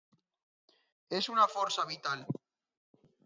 És una força vital.